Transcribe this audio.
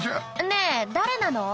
ねえ誰なの？